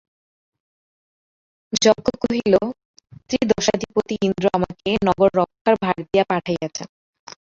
যক্ষ কহিল ত্রিদশাধিপতি ইন্দ্র আমাকে নগররক্ষার ভার দিয়া পাঠাইয়াছেন।